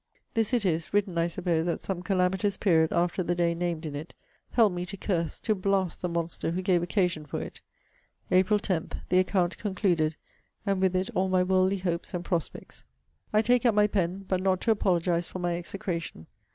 This it is; written, I suppose, at some calamitous period after the day named in it help me to curse, to blast the monster who gave occasion for it! APRIL 10. The account concluded! And with it all my worldly hopes and prospects! I take up my pen; but not to apologize for my execration.